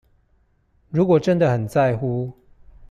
如果真的很在乎